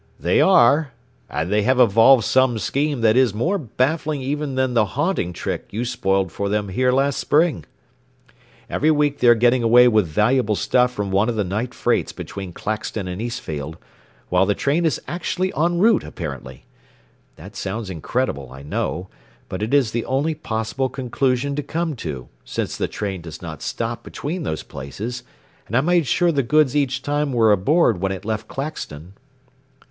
"They are. And they have evolved some scheme that is more baffling even than the 'haunting' trick you spoiled for them here last spring. Every week they are getting away with valuable stuff from one of the night freights between Claxton and Eastfield, while the train is actually en route, apparently. That sounds incredible, I know, but it is the only possible conclusion to come to, since the train does not stop between those places, and I made sure the goods each time were aboard when it left Claxton."